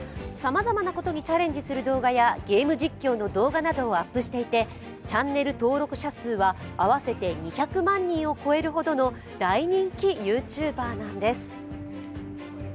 さまざまなことにチャレンジする動画やゲーム実況の動画などをアップしていてチャンネル登録者数は合わせて２００万人を超えるほどの大人気ＹｏｕＴｕｂｅｒなんです。